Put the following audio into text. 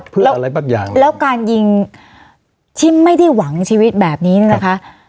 เพื่ออะไรบางอย่างแล้วการยิงที่ไม่ได้หวังชีวิตแบบนี้เนี่ยนะคะ